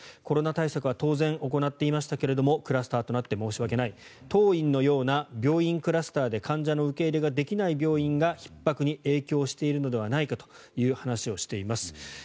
コロナ対策は当然行っていましたけどもクラスターとなって申し訳ない当院のような病院クラスターで患者の受け入れができない病院がひっ迫に影響しているのではないかという話をしています。